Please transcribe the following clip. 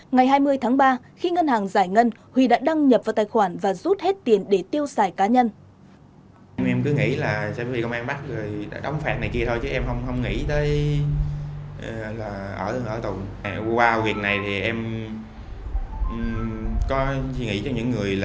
ngày hai mươi tháng ba khi ngân hàng giải ngân huy đã đăng nhập vào tài khoản và rút hết tiền để tiêu xài cá nhân